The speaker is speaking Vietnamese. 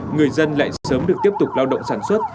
người dân lại sớm được tiếp tục lao động sản xuất